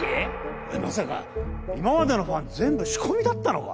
おいまさか今までのファン全部仕込みだったのか？